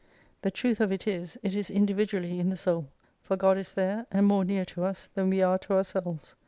The truth of it is, it is individually in the soul : for God is there, and more near to us than we are to ourselves.